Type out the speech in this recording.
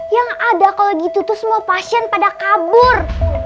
yang ada kalau gitu tuh semua pasien pada kabur